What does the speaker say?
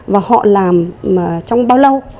và họ làm trong bao lâu